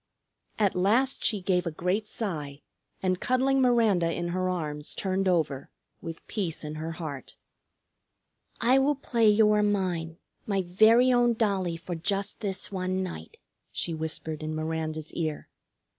At last she gave a great sigh, and cuddling Miranda in her arms turned over, with peace in her heart. "I will play you are mine, my very own dollie, for just this one night," she whispered in Miranda's ear.